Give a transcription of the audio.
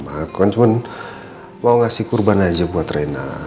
aku kan cuma mau ngasih kurban aja buat rena